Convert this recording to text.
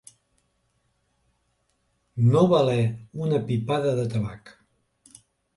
No valer una pipada de tabac.